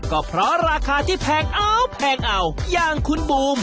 ก็เพราะราคาที่แพงเอ้าแย่งคุณบูม